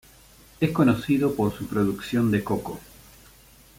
Es conocido por su producción de coco.